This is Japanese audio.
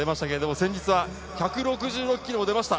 先日、１６６キロも出ました。